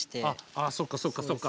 あそっかそっかそっか。